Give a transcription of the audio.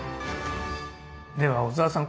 では小澤さん